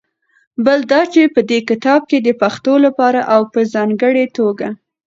بل دا چې په دې کتاب کې د پښتنو لپاره او په ځانګړې توګه